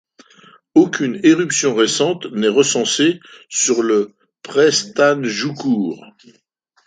Aucune éruption récente n'est recensée sur le Prestahnjúkur.